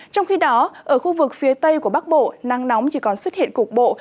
trong khi đó ở khu vực phía tây của bắc bộ nắng nóng chỉ còn xuất hiện cục bộ